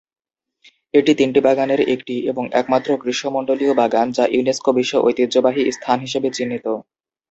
এটি তিনটি বাগানের একটি এবং একমাত্র গ্রীষ্মমন্ডলীয় বাগান, যা ইউনেস্কো বিশ্ব ঐতিহ্যবাহী স্থান হিসেবে চিহ্নিত।